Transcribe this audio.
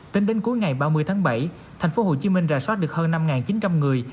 tính đến cuối ngày ba mươi tháng bảy thành phố hồ chí minh ra soát được hơn năm chín trăm linh người